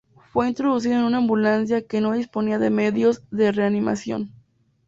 Fue introducido en una ambulancia que no disponía de medios de reanimación.